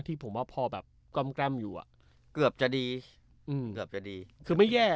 ที่ผมว่าพอแบบกล้อมอยู่อ่ะเกือบจะดีเกือบจะดีคือไม่แย่